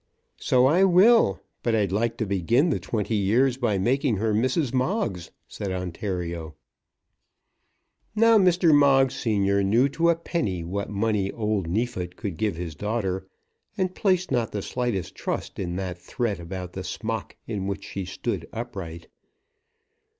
"So I will; but I'd like to begin the twenty years by making her Mrs. Moggs," said Ontario. Now Mr. Moggs senior knew to a penny what money old Neefit could give his daughter, and placed not the slightest trust in that threat about the smock in which she stood upright.